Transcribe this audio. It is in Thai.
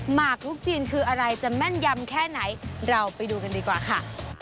หมากลูกจีนคืออะไรจะแม่นยำแค่ไหนเราไปดูกันดีกว่าค่ะ